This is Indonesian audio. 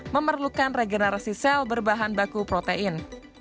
memerlukan regenerasi sel berbahan baku protein